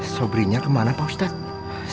sobrinya kemana pak ustadz